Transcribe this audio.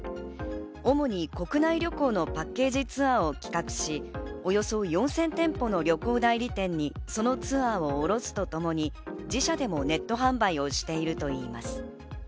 主に国内旅行のパッケージツアーを企画し、およそ４０００店舗の旅行代理店にそのツアーを下ろすとともに自社でもネット販売をしているといいます。